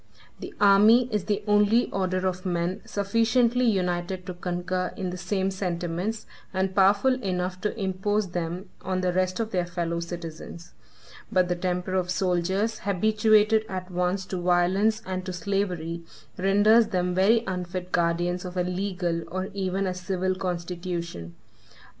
The army is the only order of men sufficiently united to concur in the same sentiments, and powerful enough to impose them on the rest of their fellow citizens; but the temper of soldiers, habituated at once to violence and to slavery, renders them very unfit guardians of a legal, or even a civil constitution.